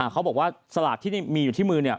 เขาบอกว่าสลากที่มีอยู่ที่มือ